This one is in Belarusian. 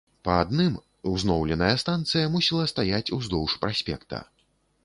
Па адным узноўленая станцыя мусіла стаяць уздоўж праспекта.